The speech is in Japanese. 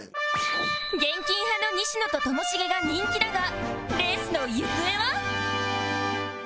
現金派の西野とともしげが人気だがレースの行方は？